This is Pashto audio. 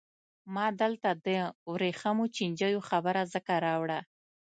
ما دلته د ورېښمو چینجیو خبره ځکه راوړه.